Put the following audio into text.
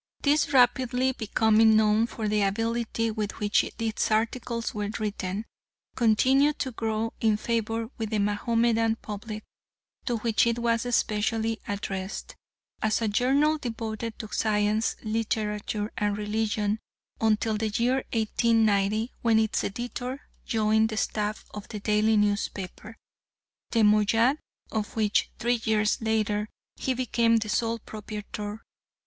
This rapidly becoming known for the ability with which its articles were written, continued to grow in favour with the Mahomedan public, to which it was specially addressed, as a journal devoted to science, literature, and religion, until the year 1890 when its editor joined the staff of the daily newspaper, the Moayyad, of which, three years later, he became the sole proprietor.